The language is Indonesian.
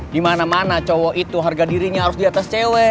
dimana mana cowok itu harga dirinya harus diatas cewek